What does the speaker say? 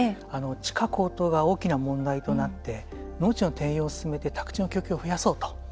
地価高騰が大きな問題となって農地の転用を進めて宅地の供給を増やそうと。